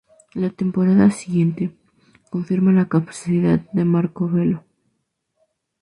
La temporada siguiente, confirma la capacidad de Marco Velo.